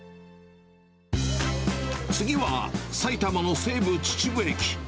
次は、埼玉の西武秩父駅。